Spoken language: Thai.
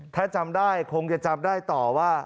ถ้าจำได้คงจะจำได้ต่อว่า